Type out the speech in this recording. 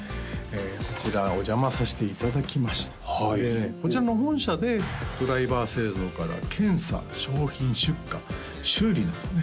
こちらお邪魔させていただきましたこちらの本社でドライバー製造から検査商品出荷修理などね